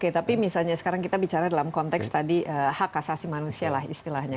tapi misalnya sekarang kita bicara dalam konteks hak asasi manusia istilahnya